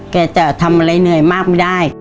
จะทำอะไรเหนื่อยมากไม่ได้